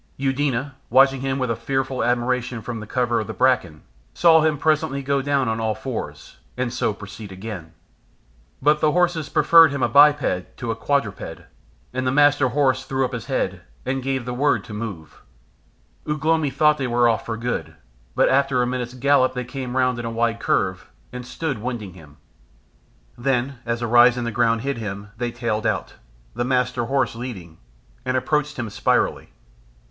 Eudena, watching him with a fearful admiration from the cover of the bracken, saw him presently go on all fours, and so proceed again. But the horses preferred him a biped to a quadruped, and the Master Horse threw up his head and gave the word to move. Ugh lomi thought they were off for good, but after a minute's gallop they came round in a wide curve, and stood winding him. Then, as a rise in the ground hid him, they tailed out, the Master Horse leading, and approached him spirally.